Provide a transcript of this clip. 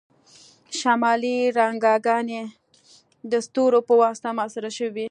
شمالي رڼاګانې د ستورو په واسطه محاصره شوي وي